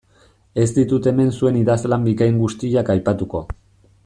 Ez ditut hemen zuen idazlan bikain guztiak aipatuko.